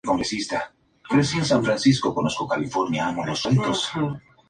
Mercedes está dispuesta a burlarse de ella gustosamente.